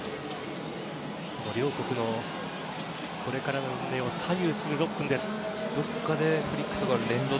両国のこれからの運命を左右する６分。